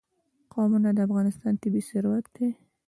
قومونه د افغانستان طبعي ثروت دی.